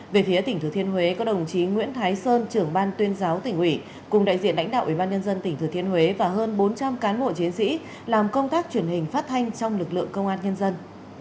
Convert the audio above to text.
về phía tỉnh thừa thiên huế có đồng chí nguyễn thái sơn trưởng ban tuyên giáo tỉnh ủy cùng đại diện lãnh đạo ủy ban nhân dân tỉnh thừa thiên huế và hơn bốn trăm linh cán bộ chiến sĩ làm công tác truyền hình phát thanh trong lực lượng công an nhân dân